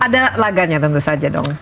ada laganya tentu saja dong